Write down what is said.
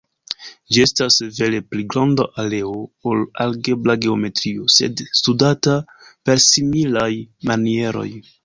Ĝi estas severe pli granda areo ol algebra geometrio, sed studata per similaj manieroj.